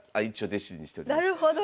なるほど。